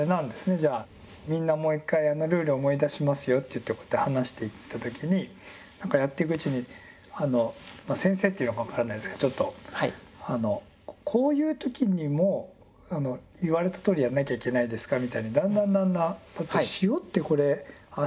じゃあ「みんなもう１回ルールを思い出しますよ」って話していった時にやっていくうちに先生っていうのか分からないですけれどこういう時にも言われたとおりやらなきゃいけないんですかみたいなだんだんだんだん「塩ってこれ明日も残るじゃないですか」